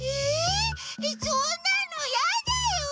えそんなのやだよ！